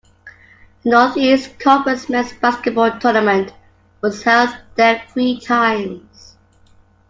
The Northeast Conference men's basketball tournament was held there three times.